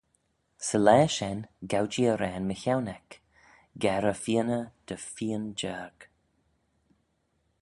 Sy laa shen gow-jee arrane mychione eck, Garey-feeyney dy feeyn jiarg.